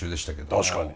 確かに。